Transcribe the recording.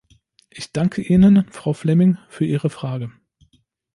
Ich danke Ihnen, Frau Flemming, für Ihre Frage.